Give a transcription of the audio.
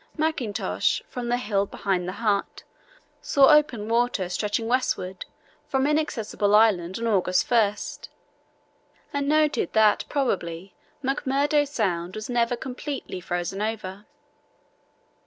Mackintosh, from the hill behind the hut, saw open water stretching westward from Inaccessible Island on August 1, and noted that probably McMurdo Sound was never completely frozen over.